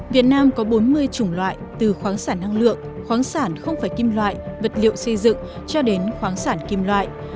việt nam có bốn mươi chủng loại từ khoáng sản năng lượng khoáng sản không phải kim loại vật liệu xây dựng cho đến khoáng sản kim loại